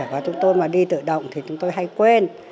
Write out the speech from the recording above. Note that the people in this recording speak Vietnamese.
và chúng tôi mà đi tự động thì chúng tôi hay quên